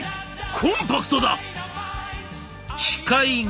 コンパクトだ！」。